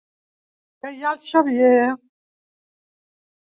Què hi ha el Xavier?